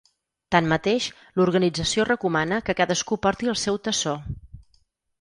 Tanmateix, l’organització recomana que cadascú porti el seu tassó.